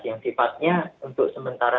yang sifatnya untuk sementara